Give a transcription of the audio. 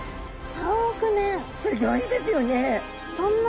すギョいですよね。